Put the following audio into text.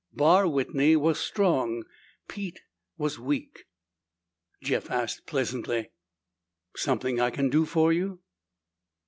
Barr Whitney was strong. Pete was weak. Jeff asked pleasantly, "Something I can do for you?"